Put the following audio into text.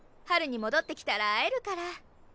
春に戻ってきたら会えるから。